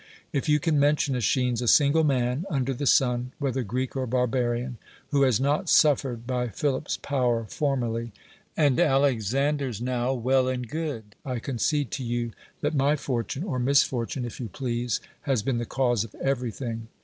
If you can mention, ^l']schines. a single man under the sun, whelhcr Greek or barbarian, who has not suifered by Philip's power formerly and Alex ander's now, well and good; I concede to you, tbat my ^'ortiine, (^r misfortune (if you please), has been the cause of everything.